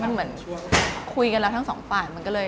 มันเหมือนคุยกันแล้วทั้งสองฝ่ายมันก็เลย